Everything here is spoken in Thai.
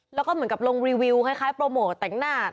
แล้วก็เหมือนกับลงรีวิวคล้ายโปรโมทแต่งหน้า